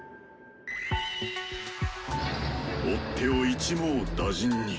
追っ手を一網打尽に！